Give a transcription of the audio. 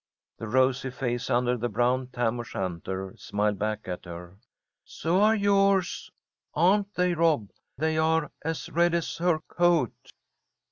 The rosy face under the brown tam o' shanter smiled back at her. "So are yours. Aren't they, Rob? They are as red as her coat."